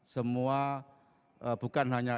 semua bukan hanya